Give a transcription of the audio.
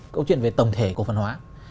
câu chuyện về tổng thể cổ phần hóa